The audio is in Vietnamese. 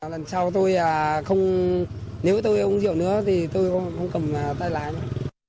lần sau tôi không nhớ tôi uống rượu nữa thì tôi không cầm tay lái nữa